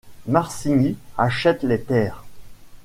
Marsigny achète les terres.